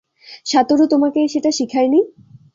Satoru তোমাকে সেটা শেখায়নি?